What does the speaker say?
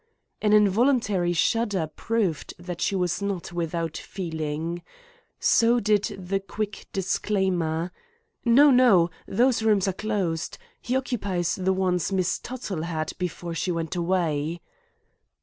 An involuntary shudder proved that she was not without feeling. So did the quick disclaimer: "No, no! Those rooms are closed. He occupies the one Miss Tuttle had before she went away."